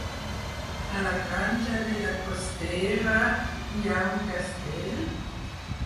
A la Granja de la Costera hi ha un castell?